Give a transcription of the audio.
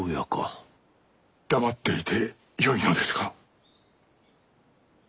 黙っていてよいのですか？